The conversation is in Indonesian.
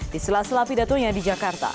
di sela sela pidatonya di jakarta